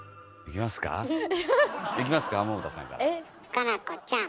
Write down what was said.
夏菜子ちゃん。